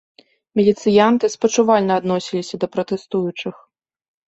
Міліцыянты спачувальна адносіліся да пратэстуючых.